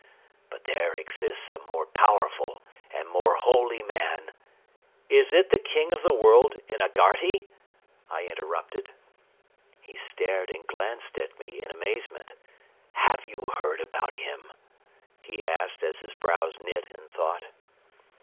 But there exists a more powerful and more holy man. .." "Is it the King of the World in Agharti?" I interrupted. He stared and glanced at me in amazement. "Have you heard about him?" he asked, as his brows knit in thought.